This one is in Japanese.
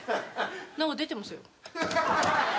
何か出てますよ。